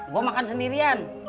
gue makan sendirian